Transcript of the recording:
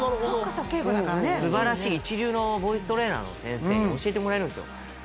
お稽古だからね素晴らしい一流のボイストレーナーの先生に教えてもらえるんですよ